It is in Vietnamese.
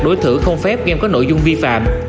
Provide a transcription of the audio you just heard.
đối thử không phép game có nội dung vi phạm